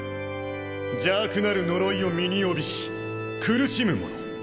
邪悪なる呪いを身に帯びし苦しむ者。